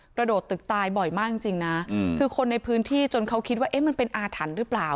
กระโดดตึกตายบ่อยมากจริงนะคือคนในพื้นที่จนเขาคิดว่าเอ๊ะมันเป็นอาถรรพ์หรือเปล่า